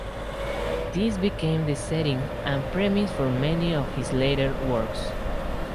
This became the setting and premise for many of his later works.